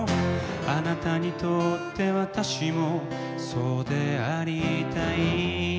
「あなたにとって私もそうでありたい」